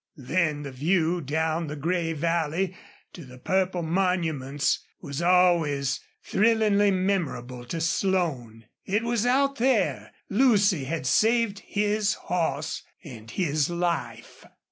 Then the view down the gray valley to the purple monuments was always thrillingly memorable to Slone. It was out there Lucy had saved his horse and his life.